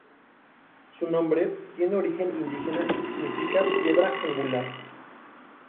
Su nombre tiene origen indígena y significa "piedra angular".